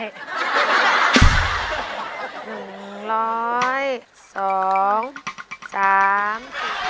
หนึ่งร้อยสองสาม